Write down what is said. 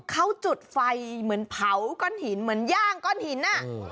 เขาจุดไฟเหมือนเผาก้อนหินเหมือนย่างก้อนหินอ่ะ